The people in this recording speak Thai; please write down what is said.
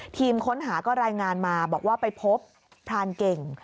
ทีมค้นหาก็รายงานมาบอกว่าไปพบพรานเก่ง